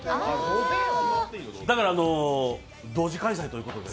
だから同時開催ということで。